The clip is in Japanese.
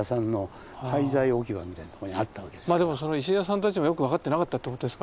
でもその石屋さんたちもよく分かってなかったってことですか？